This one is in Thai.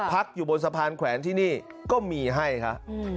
พักอยู่บนสะพานแขวนที่นี่ก็มีให้ครับ